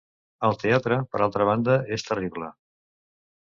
El teatre, per altra banda, és terrible.